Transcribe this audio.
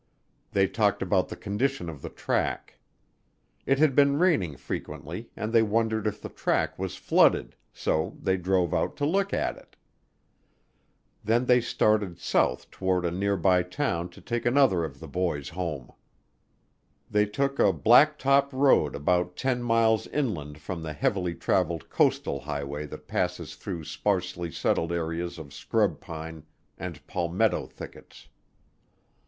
They talked about the condition of the track. It had been raining frequently, and they wondered if the track was flooded, so they drove out to look at it. Then they started south toward a nearby town to take another of the boys home. They took a black top road about 10 miles inland from the heavily traveled coastal highway that passes through sparsely settled areas of scrub pine and palmetto thickets.